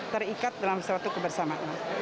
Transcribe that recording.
terikat dalam suatu kebersamaan